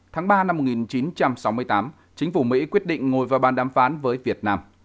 tháng ba năm một nghìn chín trăm sáu mươi tám chính phủ mỹ quyết định ngồi vào bàn đàm phán với việt nam